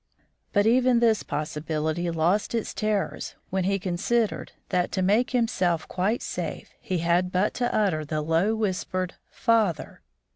But even this possibility lost its terrors when he considered that to make himself quite safe he had but to utter the low whispered _Father!